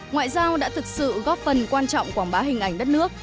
ngoại giao đã thực sự góp phần quan trọng quảng bá hình ảnh đất nước